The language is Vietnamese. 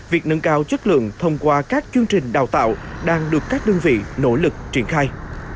việc nâng cao chất lượng thông qua các chương trình đào tạo đang được các đơn vị nỗ lực triển khai